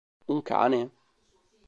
Un cane?